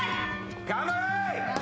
頑張れ。